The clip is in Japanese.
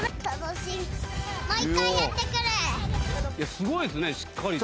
すごいっすねしっかりと。